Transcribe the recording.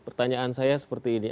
pertanyaan saya seperti ini